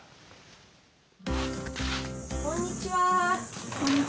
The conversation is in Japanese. こんにちは。